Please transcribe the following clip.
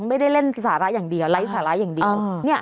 ไม่ได้เล่นสาระอย่างเดียว